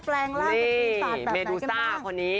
แปลงล่านสัตว์เมดูซ่ากันนี้